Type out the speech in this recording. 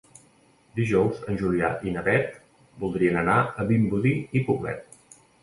Dijous en Julià i na Beth voldrien anar a Vimbodí i Poblet.